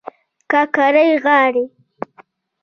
کاکړۍ غاړي